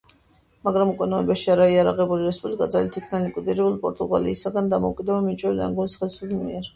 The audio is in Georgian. მაგრამ უკვე ნოემბერში არაღიარებული რესპუბლიკა ძალით იქნა ლიკვიდირებული პორტუგალიისგან დამოუკიდებლობა მინიჭებული ანგოლის ხელისუფლების მიერ.